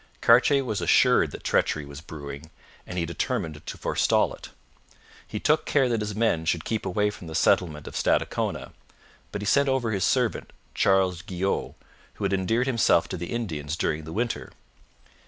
Cartier was assured that treachery was brewing, and he determined to forestall it. He took care that his men should keep away from the settlement of Stadacona, but he sent over his servant, Charles Guyot, who had endeared himself to the Indians during the winter.